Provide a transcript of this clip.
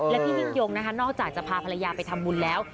และพี่ยิ่งยงนะคะนอกจากจะพาภรรยาไปทำบุญแล้ว